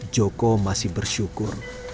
joko masih bersyukur